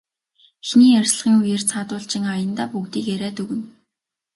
Эхний ярилцлагын үеэр цаадуул чинь аяндаа бүгдийг яриад өгнө.